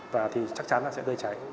và thì chắc chắn là sẽ gây cháy